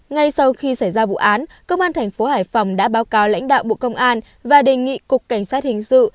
ngay sau khi xảy ra vụ án công an thành phố hải phòng đã báo cáo lãnh đạo bộ công an và đề nghị cục cảnh sát hình sự